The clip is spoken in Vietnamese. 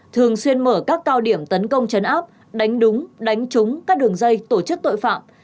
thường xuyên mở các cao điểm tấn công chấn áp đánh đúng đánh trúng các đường dây tổ chức tội phạm